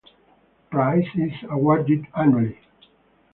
The prize is awarded annually.